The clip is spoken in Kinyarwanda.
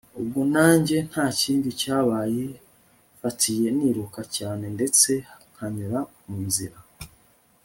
ubwo nanjye ntakindi cyabaye nfatiye niruka cyane ndetse nkanyura munzira